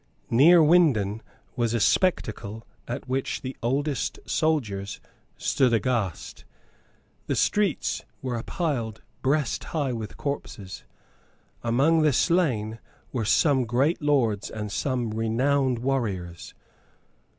Neerwinden was a spectacle at which the oldest soldiers stood aghast. The streets were piled breast high with corpses. Among the slain were some great lords and some renowned warriors.